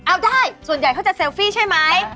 เอาได้ส่วนใหญ่เขาจะเซลฟี่ใช่ไหม